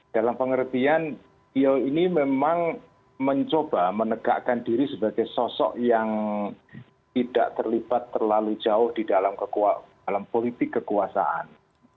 dalam pengertian beliau ini memang mencoba menegakkan diri sebagai sosok yang tidak terlibat terlalu jauh di dalam politik kekuasaan